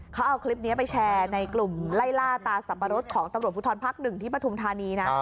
เขาเอาคลิปนี้ไปแชร์ในกลุ่มไล่ล่าตาสับปะรดของตำรวจภูทรภักดิ์๑ที่ปฐุมธานีนะ